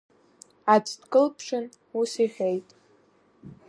Аӡә дкылԥшын, ус иҳәеит…